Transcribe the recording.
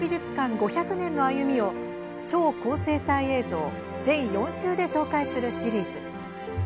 ５００年の歩みを超高精細映像全４集で紹介するシリーズ。